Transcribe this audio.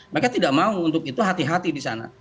mereka tidak mau untuk itu hati hati disana